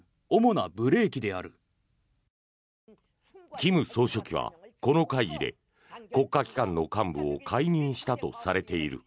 金総書記はこの会議で国家機関の幹部を解任したとされている。